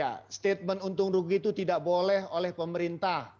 ya statement untung rugi itu tidak boleh oleh pemerintah